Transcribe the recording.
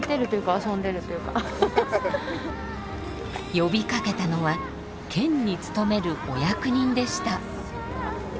呼びかけたのは県に勤めるお役人でした。